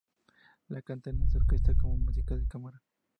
La cantata está orquestada como música de cámara.